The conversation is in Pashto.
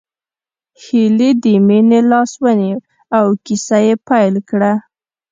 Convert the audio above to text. هيلې د مينې لاس ونيو او کيسه يې پيل کړه